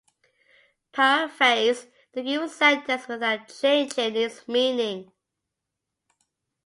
paraphrase the given sentence without changing its meaning.